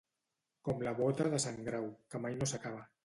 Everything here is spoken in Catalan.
Com la bota de sant Grau, que mai no s'acaba.